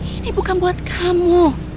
ini bukan buat kamu